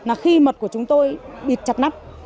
phát mật là khi mật của chúng tôi bịt chặt nắp